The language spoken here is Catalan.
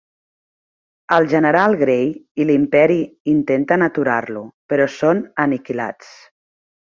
El general Gray i l'imperi intenten aturar-lo, però són aniquilats.